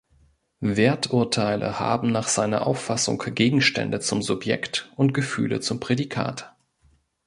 Werturteile haben nach seiner Auffassung Gegenstände zum Subjekt und Gefühle zum Prädikat.